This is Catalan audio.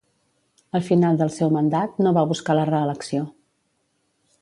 Al final del seu mandat, no va buscar la reelecció.